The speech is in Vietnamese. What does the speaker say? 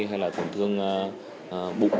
hay là tổn thương bụng